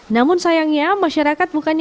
namun sayangnya masyarakat bukannya